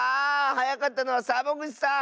はやかったのはサボぐちさん！